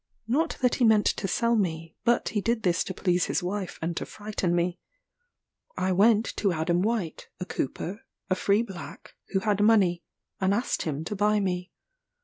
Not that he meant to sell me; but he did this to please his wife and to frighten me. I went to Adam White, a cooper, a free black, who had money, and asked him to buy me.